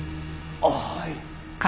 あっはい。